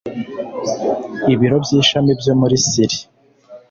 ibiro by ishami byo muri siri